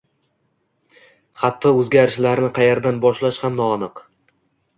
hatto o‘zgarishlarni qayerdan boshlash ham noaniq;